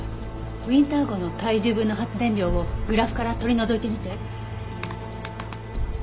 ウィンター号の体重分の発電量をグラフから取り除いてみて。